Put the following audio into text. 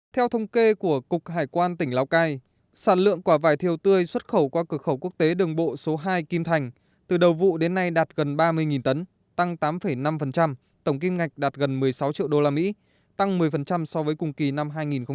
theo thông kê của cục hải quan tỉnh lào cai sản lượng quả vải thiều tươi xuất khẩu qua cửa khẩu quốc tế đường bộ số hai kim thành từ đầu vụ đến nay đạt gần ba mươi tấn tăng tám năm tổng kim ngạch đạt gần một mươi sáu triệu usd tăng một mươi so với cùng kỳ năm hai nghìn một mươi tám